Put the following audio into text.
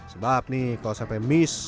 sebab nih kalau sampai miss